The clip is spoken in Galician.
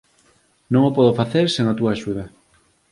Non o podo facer sen a túa axuda